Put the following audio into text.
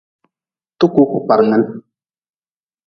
Tukuu ku kparngin.